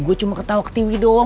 gue cuma ketawa ke tv doang